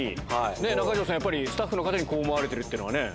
中条さん、やっぱりスタッフの方にこう思われているというのはね。